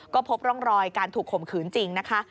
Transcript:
ก็พบร่องรอยการถูกข่มขืนจริงนะคะ